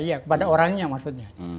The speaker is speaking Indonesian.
iya kepada orangnya maksudnya